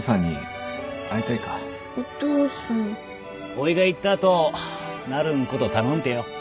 おぃが行った後なるんこと頼んてよ。